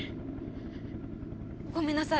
ごめんなさい。